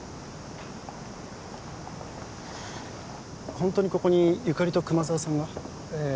本当にここに由香里と熊沢さんが？ええ。